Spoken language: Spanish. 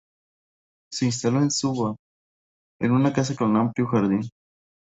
Se instaló en Suba, en una casa con amplio jardín.